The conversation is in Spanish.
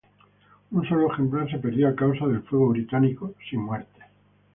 Un solo ejemplar se perdió a causa de fuego británico, sin muertes.